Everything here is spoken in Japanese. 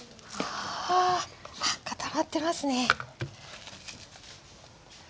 あっ固まってますね。